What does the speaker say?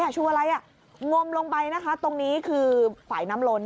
ชั่วไล่หงวมลงไปนะคะตรงนี้คือฝ่ายน้ำลน